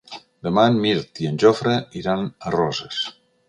Demà en Mirt i en Jofre iran a Roses.